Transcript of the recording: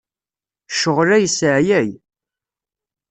Ccɣel-a yesseɛyay.